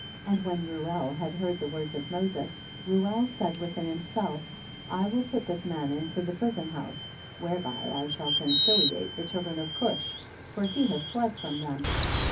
And when Reuel had heard the words of Moses, Reuel said within himself, I will put this man into the prison house, whereby I shall conciliate the children of Cush, for he has fled from them.